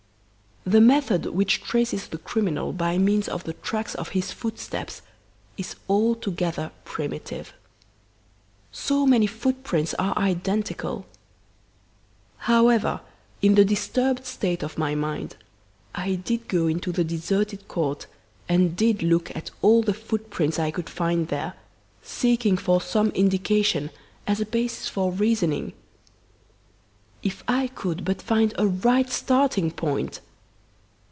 "The method which traces the criminal by means of the tracks of his footsteps is altogether primitive. So many footprints are identical. However, in the disturbed state of my mind, I did go into the deserted court and did look at all the footprints I could find there, seeking for some indication, as a basis for reasoning. "If I could but find a right starting point!